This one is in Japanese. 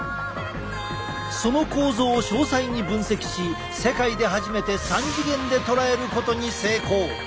その構造を詳細に分析し世界で初めて３次元で捉えることに成功！